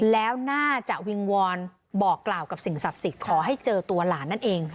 แล้วน่าจะวิงวอนบอกกล่าวกับสิ่งศักดิ์สิทธิ์ขอให้เจอตัวหลานนั่นเอง